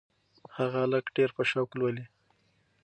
هغه هلک ډېر په شوق لولي.